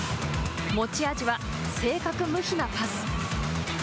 持ち味は正確無比なパス。